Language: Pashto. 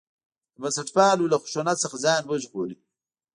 د بنسټپالو له خشونت څخه ځان وژغوري.